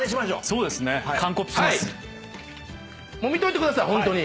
もう見といてくださいホントに。